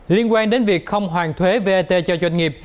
liên quan đến việc không hoàn thuế vat cho doanh nghiệp